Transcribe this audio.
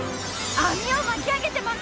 網を巻き上げてます！